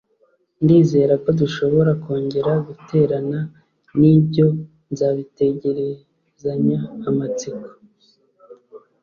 Ndizera ko dushobora kongera guterana Nibyo nzabitegerezanya amatsiko